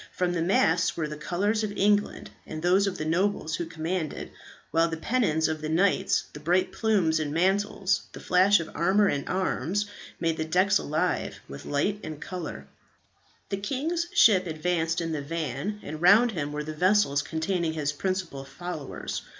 From the masts were the colours of England and those of the nobles who commanded; while the pennons of the knights, the bright plumes and mantles, the flash of armour and arms, made the decks alive with light and colour. The king's ship advanced in the van, and round him were the vessels containing his principal followers.